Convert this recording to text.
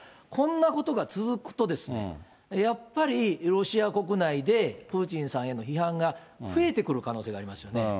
こんなことが続くと、やっぱりロシア国内でプーチンさんへの批判が増えてくる可能性がありますよね。